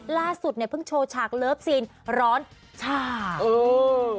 ล่าสุดเนี่ยเพิ่งโชว์ชาติเลิฟซีนร้อนชาติ